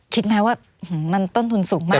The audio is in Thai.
คิดไหมว่ามันต้นทุนสูงมาก